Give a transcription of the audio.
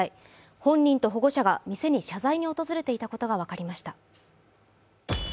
本人と保護者が店に謝罪に訪れていたことが分かりました。